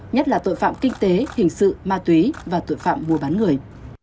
nhất là tội phạm kinh tế hình sự ma túy và tội phạm mua bán người